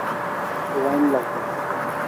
Wine লাগবে আমার!